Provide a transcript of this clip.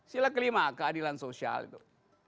sila kelima keadilan sosial itu